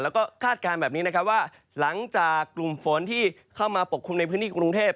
แล้วก็คาดการณ์แบบนี้นะครับว่าหลังจากกลุ่มฝนที่เข้ามาปกคลุมในพื้นที่กรุงเทพ